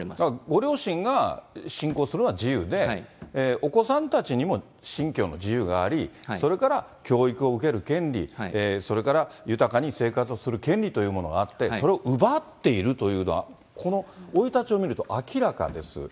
ご両親が信仰するのは自由で、お子さんたちにも信教の自由があり、それから教育を受ける権利、それから豊かに生活をする権利というものがあって、それを奪っているというのは、この生い立ちを見ると、明らかです。